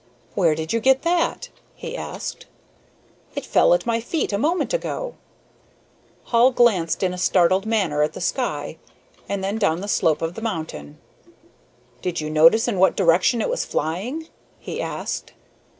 "Where did you get that?" he asked. "It fell at my feet a moment ago." Hall glanced in a startled manner at the sky, and then down the slope of the mountain. "Did you notice in what direction it was flying?" he asked.